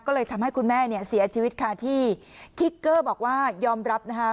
ก็เลยทำให้คุณแม่เนี่ยเสียชีวิตค่ะที่คิกเกอร์บอกว่ายอมรับนะคะ